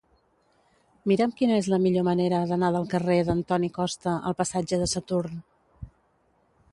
Mira'm quina és la millor manera d'anar del carrer d'Antoni Costa al passatge de Saturn.